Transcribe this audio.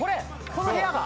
この部屋が？